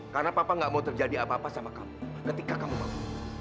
karena papa gak mau terjadi apa apa sama kamu ketika kamu mau